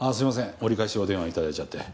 折り返しお電話いただいちゃって。